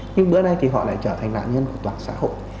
nhưng bữa nay thì họ lại trở thành nạn nhân của toàn xã hội